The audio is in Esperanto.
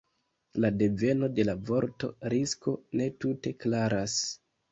La deveno de la vorto „risko“ ne tute klaras.